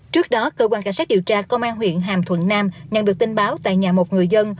trước đó cơ quan cảnh sát điều tra công an huyện hàm thuận nam nhận được tin báo tại nhà một người dân